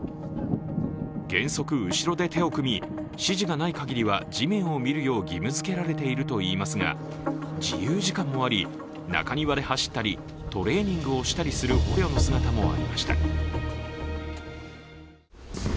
原則、後ろで手を組み指示がない限りは地面を見るよう義務づけられているといいますが自由時間もあり、中庭で走ったり、トレーニングをしたりする捕虜の姿もありました。